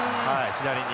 左に。